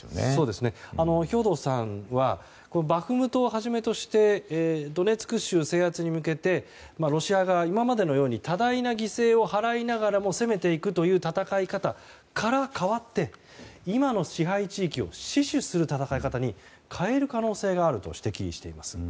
兵頭さんはバフムトをはじめとしてドネツク州制圧に向けてロシア側、今までのように多大な犠牲を払いながらも攻めていくという戦い方から変わって今の支配地域を死守する戦い方に変える可能性があると指摘しています。